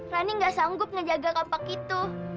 rani gak sanggup menjaga kampak itu